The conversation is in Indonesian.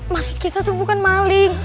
masih kita tuh bukan maling